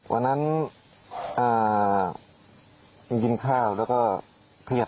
วันนั้นกินข้าวแล้วก็เครียด